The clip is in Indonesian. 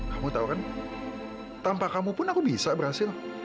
kamu tau kan tanpa kamu pun aku bisa berhasil